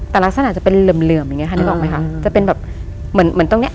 แต่ลักษณะจะเป็นเหลื่อมอย่างเงี้ค่ะนึกออกไหมคะจะเป็นแบบเหมือนเหมือนตรงเนี้ย